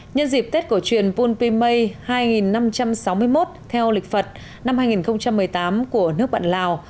nhân dịp tết cổ truyền bung pim may hai năm trăm sáu mươi một theo lịch phật năm hai nghìn một mươi tám của nước bạn lào